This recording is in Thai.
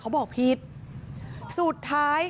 กลับมารับทราบ